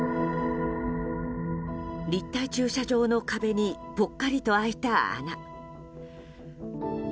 立体駐車場の壁にぽっかりと開いた穴。